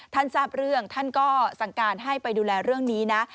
ทราบเรื่องท่านก็สั่งการให้ไปดูแลเรื่องนี้นะ